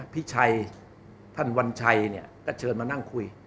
พี่ชัยท่านวันชัยเชิญมานั่งคุย